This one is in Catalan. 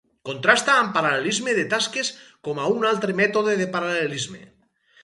Contrasta amb paral·lelisme de tasques com a un altre mètode de paral·lelisme.